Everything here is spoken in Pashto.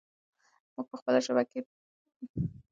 موږ په خپله ټولنه کې یووالی غواړو.